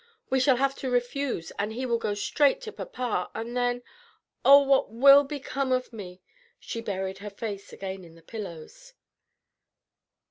We shall have to refuse, and he will go straight to papa, and then oh, what will become of me?" She buried her face again in the pillows.